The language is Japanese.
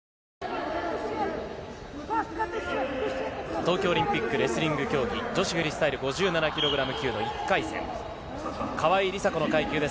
東京オリンピックレスリング競技、女子フリースタイル５７ｋｇ級の１回戦、川井梨紗子の階級です。